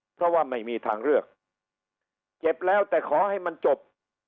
เพราะว่าไม่มีทางเลือกเจ็บแล้วแต่ขอให้มันจบ